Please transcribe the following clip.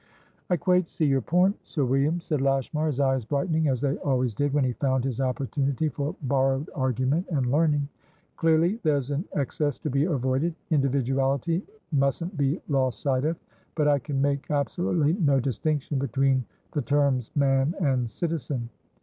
"I quite see your point, Sir William," said Lashmar, his eyes brightening as they always did when he found his opportunity for borrowed argument and learning. "Clearly there's an excess to be avoided; individuality mustn't be lost sight of. But I can make absolutely no distinction between the terms Man and Citizen.